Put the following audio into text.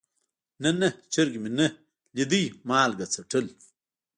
نه نه چرګ مې نه ليده مالګه څټل.